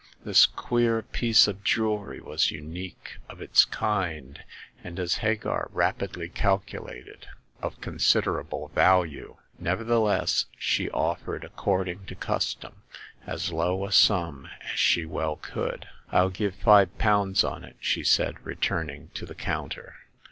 This queer piece of jewelry was unique of its kind, and, as Hagar rapidly calculated, of con siderable value. Nevertheless, she offered, ac cording to custom, as low a sum as she well could. rU give five pounds on it, said she, return ing to the counter.